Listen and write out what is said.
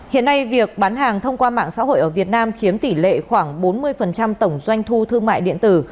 hiện nay việc bán hàng thông qua mạng xã hội ở việt nam chiếm tỷ lệ khoảng bốn mươi tổng doanh thu thương mại điện tử